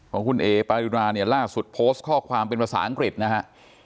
ของคุณเอ๋ปารุณาเนี่ยล่าสุดโพสต์ข้อความเป็นภาษาอังกฤษนะฮะ